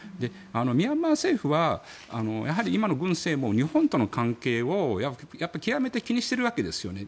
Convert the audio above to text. ミャンマー政府はやはり今の軍政も日本との関係を極めて気にしているわけですよね。